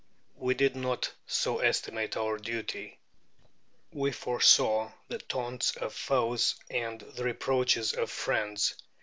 We did not so estimate our duty. We foresaw the taunts of foes and the reproaches of friends.